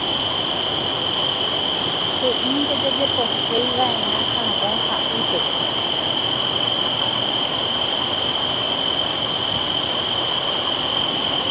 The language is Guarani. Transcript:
Py'ỹi jajepoheiva'erã havõ ha ýre.